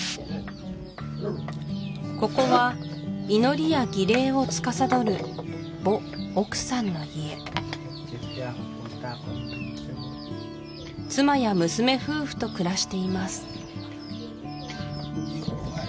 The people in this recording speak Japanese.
ここは祈りや儀礼をつかさどるボ・オクさんの家妻や娘夫婦と暮らしています